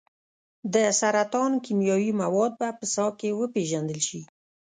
د سرطان کیمیاوي مواد به په ساه کې وپیژندل شي.